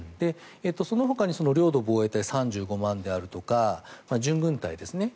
そのほかに領土防衛隊３５万であるとか準軍隊ですね。